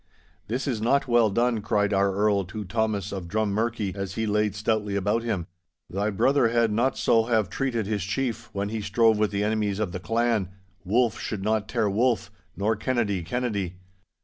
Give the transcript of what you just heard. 'This is not well done,' cried our Earl to Thomas of Drummurchie, as he laid stoutly about him. 'Thy brother had not so have treated his chief, when he strove with the enemies of the clan. Wolf should not tear wolf, nor Kennedy Kennedy!